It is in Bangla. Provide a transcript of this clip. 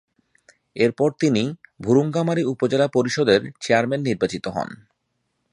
এরপর তিনি ভূরুঙ্গামারী উপজেলা পরিষদের চেয়ারম্যান নির্বাচিত হন।